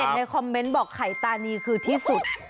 ในคอมเมนต์บอกไข่ตานีคือที่สุด